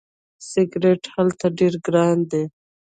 سیګرټ هلته ډیر ګران دي.